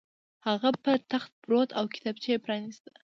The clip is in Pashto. هغه په تخت پرېوت او کتابچه یې پرانیسته